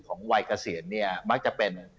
วัยเกษียณเนี่ยมักจะเป็น